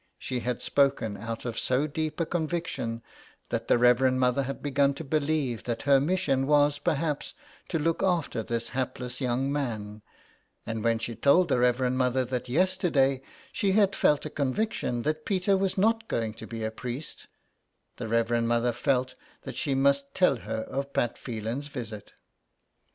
She had spoken out of so deep a conviction that the Reverend Mother had begun to believe that her mission was perhaps to look after this hapless young man ; and when she told the Reverend Mother that yesterday she had felt a conviction that Peter was not going to be a priest, the Reverend Mother felt that she must tell her of Pat Phelan's visit.